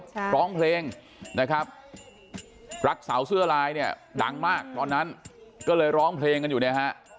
ร้องเพลงนะครับรักสาวเสื้อลายเนี่ยดังมากตอนนั้นก็เลยร้องเพลงกันอยู่เนี่ยฮะ